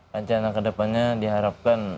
rencana ke depannya diharapkan